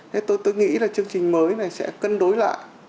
thế tôi tôi nghĩ là chương trình mới này sẽ cân đối lại